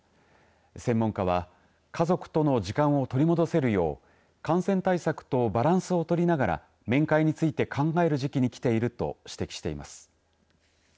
専門家は家族との時間を取り戻せるよう感染対策とバランスを取りながら面会について考える時期にきていると指摘しています。